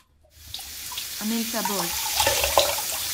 Għamilt abort.